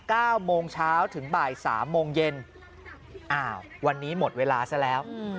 แล้วถึงบ่าย๓โมงเย็นอ้าววันนี้หมดเวลาซะแล้ว